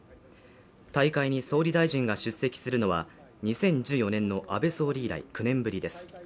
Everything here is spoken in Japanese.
大会に総理大臣が出席するのは２０１４年の安倍総理以来９年ぶりです。